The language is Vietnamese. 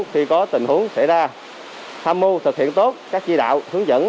khi có tình huống xảy ra tham mưu thực hiện tốt các chỉ đạo hướng dẫn